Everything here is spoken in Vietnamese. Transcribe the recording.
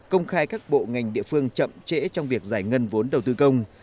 công khai các bộ ngành địa phương chậm trễ trong việc giải ngân vốn đầu tư công